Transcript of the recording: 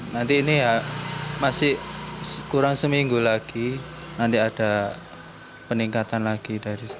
nanti ini ya masih kurang seminggu lagi nanti ada peningkatan lagi